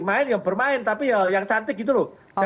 main ya bermain tapi yang cantik gitu loh